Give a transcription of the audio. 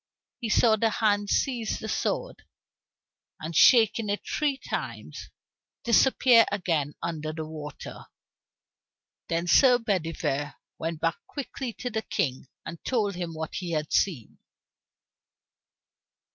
He saw the hand seize the sword, and shaking it three times, disappear again under the water. Then Sir Bedivere went back quickly to the King, and told him what he had seen.